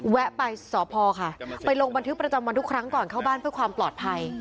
แวะไปสพค่ะไปลงบันทึกประจำวันทุกครั้งก่อนเข้าบ้านเพื่อความปลอดภัย